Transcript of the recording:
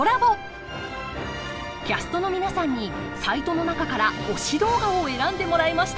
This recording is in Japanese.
キャストの皆さんにサイトの中から推し動画を選んでもらいました。